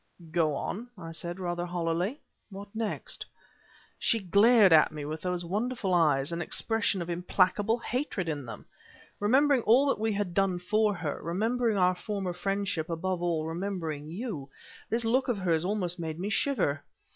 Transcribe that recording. "Go on," I said rather hollowly; "what next?" "She glared at me with those wonderful eyes, an expression of implacable hatred in them! Remembering all that we had done for her; remembering our former friendship; above all, remembering you this look of hers almost made me shiver.